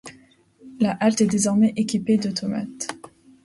La halte est désormais équipée d'automates.